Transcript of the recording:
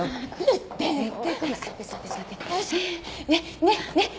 ねっねっ。